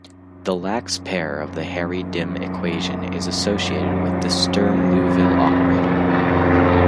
The Lax pair of the Harry Dym equation is associated with the Sturm-Liouville operator.